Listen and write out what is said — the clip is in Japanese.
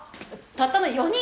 たったの４人？